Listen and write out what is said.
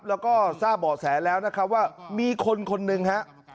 แล้วก็ทราบเบาะแสแล้วนะครับว่ามีคนคนหนึ่งฮะ